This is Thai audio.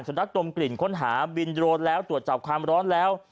นักดมกลิ่นค้นหาบินโดรนแล้วตรวจจับความร้อนแล้ว